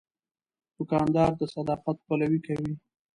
دوکاندار د صداقت پلوي کوي.